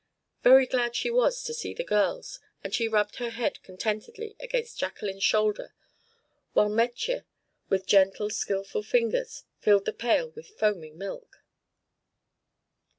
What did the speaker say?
Very glad was she to see the girls, and she rubbed her head contentedly against Jacqueline's shoulder while Metje, with gentle, skilful fingers, filled the pail with foaming milk.